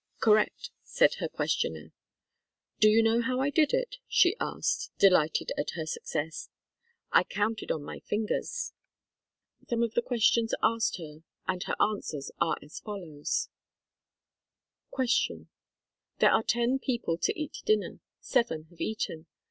"Correct," said her ques tioner. "Do you know how I did it ?" she asked, delighted at her success. "I counted on my fingers." io THE KALLIKAK FAMILY Some of the questions asked her and her answers are as follows : Q. There are ten people to eat dinner. Seven have eaten.